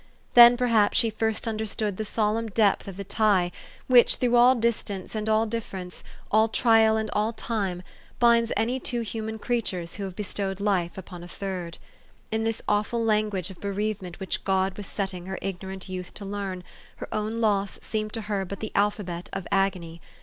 Then, perhaps, she first THE STORY OF AVIS. 377 understood the solemn depth of the tie, which, through all distance and all difference, all trial and ah 1 time, binds any two human creatures who have bestowed life upon a third. In this awful language of bereavement which God was setting her ignorant youth to learn, her own loss seemed to her but the alphabet of agony.